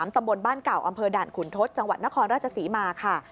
ตำบลบ้านเก่าอำเภอด่านขุนทศจังหวัดนครราชศรีมาค่ะ